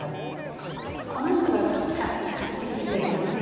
この人が買ってきてくれたの。